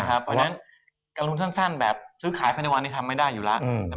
อ่าเพราะฉะนั้นการหุ้นสั้นแบบซื้อขายพันธุ์วันเนี่ยทำไมได้อยู่แล้วอืม